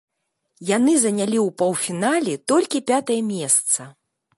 Яны занялі ў паўфінале толькі пятае месца.